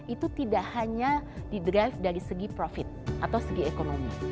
itu tidak hanya di drive dari segi profit atau segi ekonomi